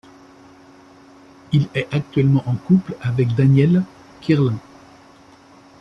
Il est actuellement en couple avec Danielle Kirlin.